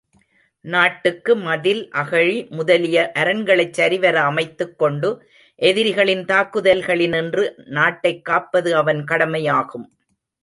நாட்டுக்கு மதில், அகழி முதலிய அரண்களைச் சரிவர அமைத்துக் கொண்டு எதிரிகளின் தாக்குதல்களினின்று நாட்டைக் காப்பது அவன் கடமையாகும்.